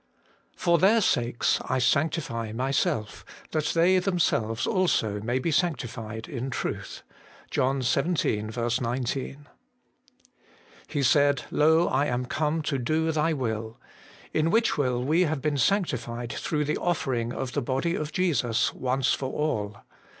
' For their sakes I sanctify myself, that they themselves also may be sanctified in truth.' JOHN xvii. 19. ' He said, Lo, I am come to do Thy will. In which will we have been sanctified through the offering of the body of Jesus once for all.